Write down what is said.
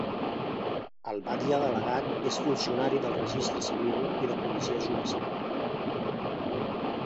El batlle delegat és funcionari del registre civil i de policia judicial.